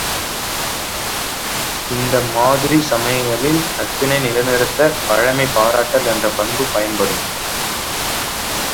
இந்த மாதிரி சமயங்களில் நட்பினை நிலைநிறுத்தப் பழைமை பாராட்டல் என்ற பண்பு பயன்படும்!